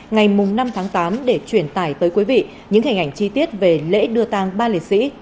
ngày năm tháng tám để truyền tải tới quý vị những hình ảnh chi tiết về lễ đưa tàng ba liệt sĩ